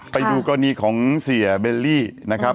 ไปดูกรณีของเสียเบลลี่นะครับ